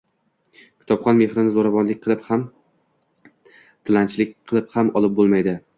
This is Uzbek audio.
Kitobxon mehrini zo’ravonlik qilib ham, tilanchilik qilib ham olib bo’lmaydi.